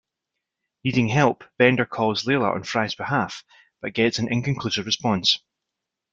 Needing help, Bender calls Leela on Fry's behalf, but gets an inconclusive response.